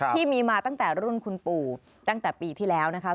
ที่มีมาตั้งแต่รุ่นคุณปู่ตั้งแต่ปีที่แล้วนะคะ